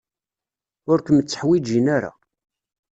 Ur kem-tteḥwijin ara.